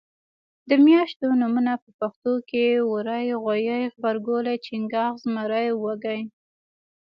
د میاشتو نومونه په پښتو کې وری غویي غبرګولی چنګاښ زمری وږی